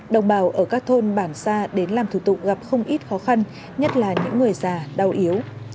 đồng bào ở các thôn bản xa đến làm thủ tục gặp không ít khó khăn nhất là những người già đau yếu